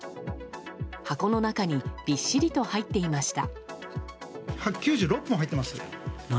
箱の中にびっしりと入っていました。